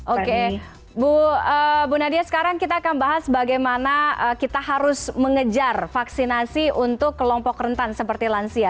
oke bu nadia sekarang kita akan bahas bagaimana kita harus mengejar vaksinasi untuk kelompok rentan seperti lansia